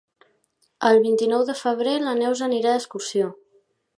El vint-i-nou de febrer na Neus anirà d'excursió.